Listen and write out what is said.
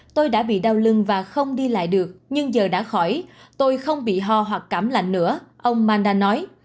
tôi đã bị đau lưng và không đi lại được nhưng giờ đã khỏi tôi không bị ho hoặc cảm lạnh nữa ông manda nói